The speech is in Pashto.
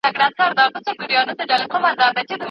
چي ګوندي ستا په نه راختلو